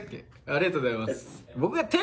ありがとうございます。